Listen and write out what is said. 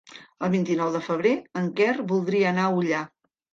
El vint-i-nou de febrer en Quer voldria anar a Ullà.